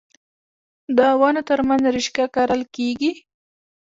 د ونو ترمنځ رشقه کرل کیږي.